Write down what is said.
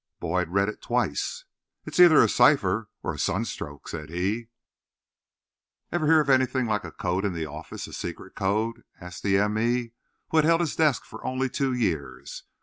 Boyd read it twice. "It's either a cipher or a sunstroke," said he. "Ever hear of anything like a code in the office—a secret code?" asked the m. e., who had held his desk for only two years.